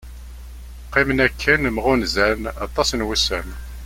Qqimen akken mɣunzan aṭas n wussan.